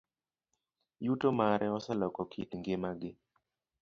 Yuto mare oseloko kit ngimagi.